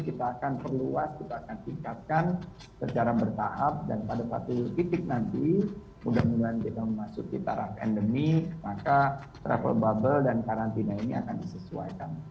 kita akan perluas kita akan tingkatkan secara bertahap dan pada satu titik nanti mudah mudahan kita memasuki taraf endemi maka travel bubble dan karantina ini akan disesuaikan